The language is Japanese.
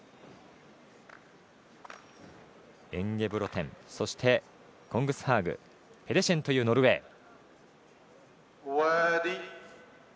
エンゲブロテン、コングスハーグペデシェンというノルウェー。